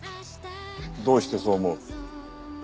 どうしてそう思う？